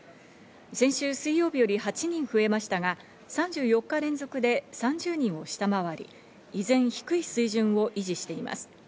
先週水曜日より８人増えましたが３４日連続で３０人を下回り、依然、低い水準を維持しています。